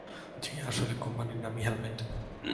জি, আসলে, কোম্পানির নামই হেলমেট।